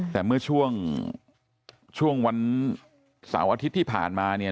แต่เมื่อช่วงช่วงวัน๓วันอาทิตย์ที่ผ่านมาเนี่ย